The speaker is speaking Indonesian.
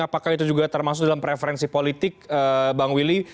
apakah itu juga termasuk dalam preferensi politik bang willy